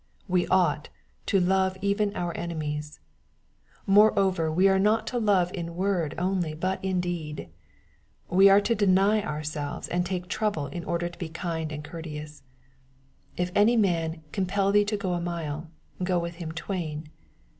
We ought to "love even our enemies/' — Moreover we are not to love in word only, but in deed. We are to deny ourselves, and take trouble, in order to be kind and courteous. If any man ^^ compel thee to go a mile, go with him twain."